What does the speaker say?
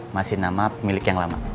masih nama pemilik yang lama